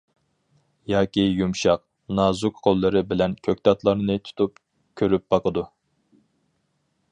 ياكى يۇمشاق، نازۇك قوللىرى بىلەن كۆكتاتلارنى تۇتۇپ كۆرۈپ باقىدۇ.